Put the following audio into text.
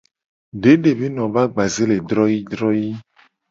Dede be no be agbaze le droyii droyii.